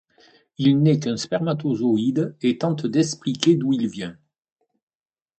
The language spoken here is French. Il n'est qu'un spermatozoïde, et tente d'expliquer d'où il vient.